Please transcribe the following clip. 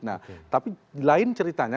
nah tapi lain ceritanya